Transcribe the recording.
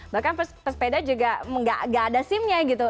bahkan pesepeda juga nggak ada sim nya gitu